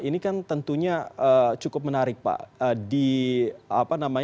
ini kan tentunya cukup menarik pak